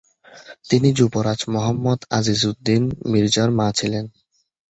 তিনি যুবরাজ মুহাম্মদ আজিজ-উদ-দীন মির্জার মা ছিলেন।